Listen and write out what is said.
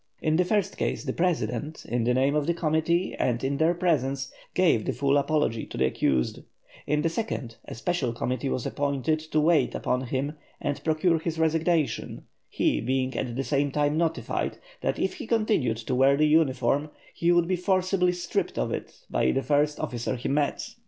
In the first case the president, in the name of the committee and in their presence, gave a full apology to the accused; in the second, a special committee was appointed to wait upon him and procure his resignation, he being at the same time notified that if he continued to wear the uniform he would be forcibly stripped of it by the first officer he met.